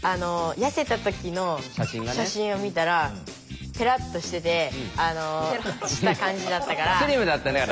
痩せた時の写真を見たらぺらっとしててした感じだったから。